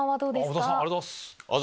小田さんありがとうございます。